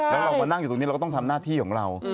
แล้วเรามานั่งอยู่ตรงนี้เราก็ต้องทำหน้าที่ของเรา